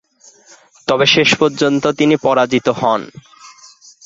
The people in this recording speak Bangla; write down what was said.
তবে শেষ পর্যন্ত তিনি পরাজিত হন।